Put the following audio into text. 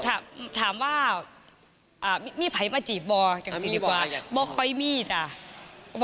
ก็ถามว่ามีใครมาจีบบ่าอย่างสิทธิ์หรอค่ะ